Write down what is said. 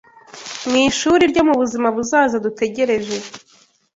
mu ishuri ryo mu buzima buzaza dutegereje